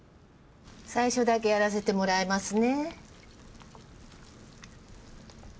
最初だけやらせてもらいますね。